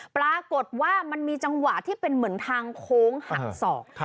ปรากฏว่ามันมีจังหวะที่เป็นเหมือนทางโค้งหักศอก